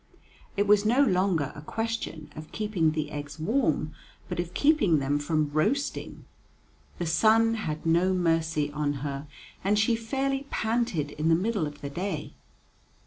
It was no longer a question of keeping the eggs warm, but of keeping them from roasting. The sun had no mercy on her, and she fairly panted in the middle of the day.